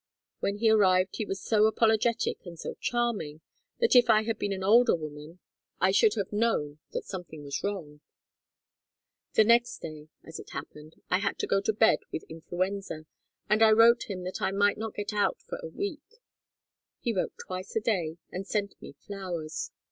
When he arrived he was so apologetic and so charming that if I had been an older woman I should have known that something was wrong. The next day, as it happened, I had to go to bed with influenza, and wrote him that I might not get out for a week. He wrote twice a day and sent me flowers.